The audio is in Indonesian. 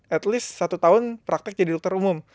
at least satu tahun praktek jadi dokter umum